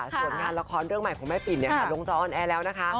ส่วนงานละครเรื่องใหม่ของแม่ปิ่นลงจออนแอร์แล้วนะคะ